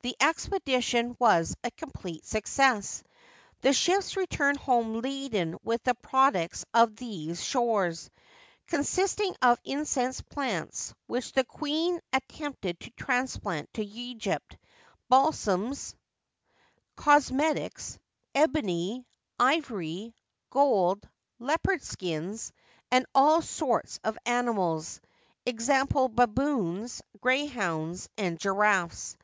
The expedition was a complete success. The ships returned home laden with the products of these shores, consisting of incense plants, which the queen at tempted to transplant to Egypt, balsams, cosmetics, ebony, ivoiy, gold, leopard skins, and all sorts of animals— e. g., baboons, greyhounds, and giraffes.